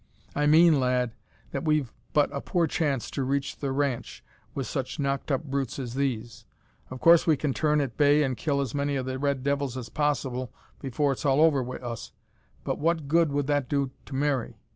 "I mean, lad, that we've but a poor chance to reach the ranch wi' such knocked up brutes as these. Of course we can turn at bay an' kill as many o' the red devils as possible before it's all over wi' us, but what good would that do to Mary?